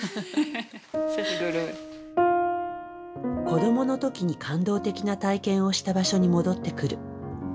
子どもの時に感動的な体験をした場所に戻ってくる。